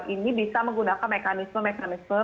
ini bisa menggunakan mekanisme mekanisme